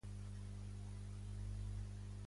En les nombroses costelles es presenten grans arèoles.